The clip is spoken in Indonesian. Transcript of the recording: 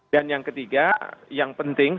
dan yang ketiga yang penting